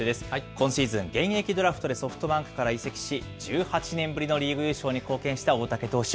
今シーズン、現役ドラフトでソフトバンクから移籍し、１８年ぶりのリーグ優勝に貢献した大竹投手。